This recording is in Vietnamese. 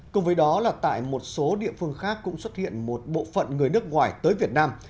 cùng với đó là tại một số địa phương khác cũng xuất hiện một bộ phận người nước ngoài tới việt nam